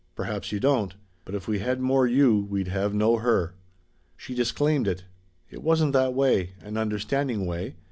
Perhaps you don't. But if we had more you we'd have no her." She disclaimed it. "It wasn't that way an understanding way.